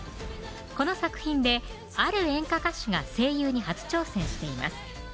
この作品である演歌歌手が声優に初挑戦しています